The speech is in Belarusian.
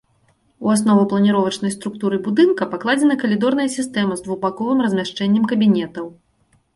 У аснову планіровачнай структуры будынка пакладзена калідорная сістэма з двухбаковым размяшчэннем кабінетаў.